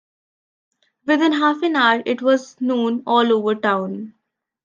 Within half an hour it was known all over town.